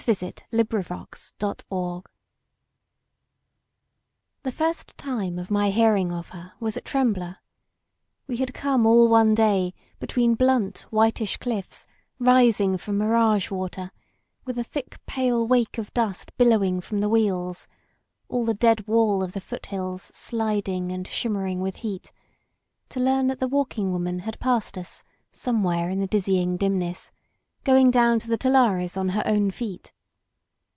XIV THE WALKING WOMAN THE first time of my hearing of her was at Temblor. We had come all one day be tween blunt, whitish bluffs rising from mirage water, with a thick, pale wake of dust billowing from the wheels, all the dead wall of the foot hills sliding and shimmering with heat, to learn that the Walking Woman had passed us some where in the dizzying dinmess, going down to the Tulares on her own feet.